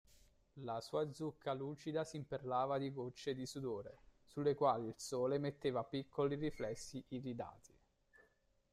La sua zucca lucida s'imperlava di gocce di sudore, su le quali il sole metteva piccoli riflessi iridati.